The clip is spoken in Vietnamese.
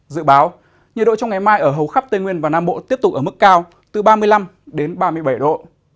dự báo nhiệt độ trong ngày mai ở hầu khắp tây nguyên và nam bộ tiếp tục ở mức cao từ ba mươi năm đến ba mươi bảy độ